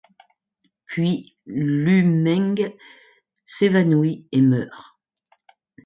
Puis Lü Meng s’évanouit et meurt.